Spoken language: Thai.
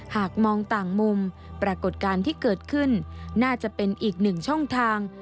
หากมองต่างมุมปรากฏการณ์ที่เกิดขึ้นน่าจะเป็นอีกหนึ่งช่องทาง